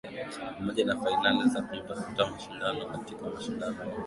pamoja na fainali za kumtafuta mshindi katika mashindano ya ubunifu Kora kwa Africa nzima